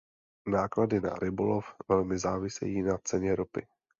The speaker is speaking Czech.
Náklady na rybolov velmi závisejí na ceně ropy.